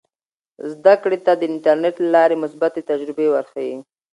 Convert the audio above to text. زده کړې ته د انټرنیټ له لارې مثبتې تجربې ورښیي.